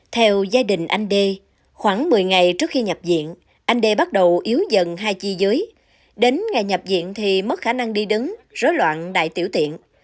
theo gia đình anh đê khoảng một mươi ngày trước khi nhập viện anh đê bắt đầu yếu dần hai chi dưới đến ngày nhập diện thì mất khả năng đi đứng rối loạn đại tiểu tiện